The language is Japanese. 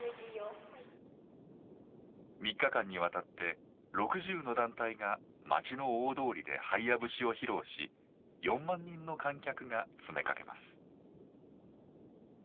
３日間にわたって６０の団体が街の大通りで「ハイヤ節」を披露し４万人の観客が詰めかけます。